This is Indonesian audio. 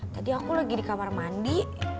tadi aku lagi di kamar mandi